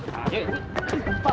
pak ampun pak